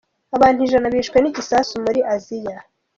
Abantu ijana bishwe n’igisasu muri asiya